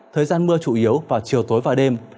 thời gian mưa chủ yếu vào chiều tối và đêm